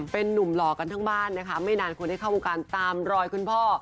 เป็นนุ่มหล่อกันทั้งบ้านนะคะไม่นานคนได้เข้าวงการตามรอยคุณพ่อ